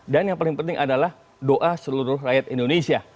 dan yang paling penting adalah doa seluruh rakyat indonesia